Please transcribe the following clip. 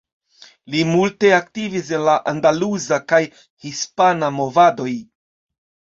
Li multe aktivis en la andaluza kaj hispana movadoj.